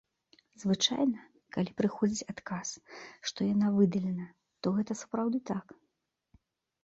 Звычайна, калі прыходзіць адказ, што яна выдалена, то гэта сапраўды так.